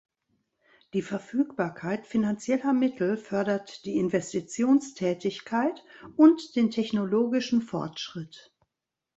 Die Verfügbarkeit finanzieller Mittel fördert die Investitionstätigkeit und den technologischen Fortschritt.